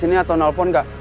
dido kesini atau nelfon gak